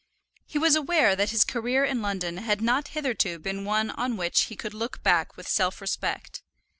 He was aware that his career in London had not hitherto been one on which he could look back with self respect.